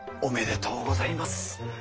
おめでとうございます。